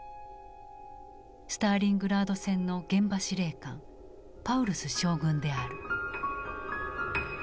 スターリングラード戦の現場司令官パウルス将軍である。